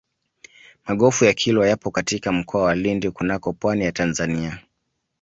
magofu ya kilwa yapo katika mkoa wa lindi kunako pwani ya tanzania